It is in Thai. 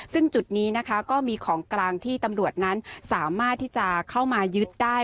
ซึ่งจุดนี้นะคะก็มีของกลางที่ตำรวจนั้นสามารถที่จะเข้ามายึดได้